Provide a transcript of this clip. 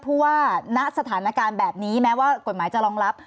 เพราะว่าณสถานการณ์แบบนี้แม้ว่ากฎหมายจะรองรับ